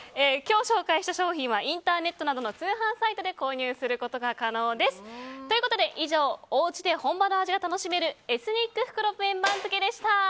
今日ご紹介した商品はインターネットなどの通販サイトで購入することが可能です。ということで以上おうちで本場の味が楽しめるエスニック袋麺番付でした。